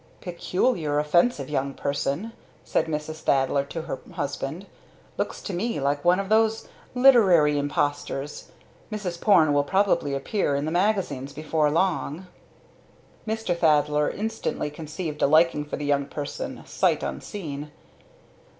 "Peculiarly offensive young person!" said Mrs. Thaddler to her husband. "Looks to me like one of these literary imposters. Mrs. Porne will probably appear in the magazines before long." Mr. Thaddler instantly conceived a liking for the young person, "sight unseen."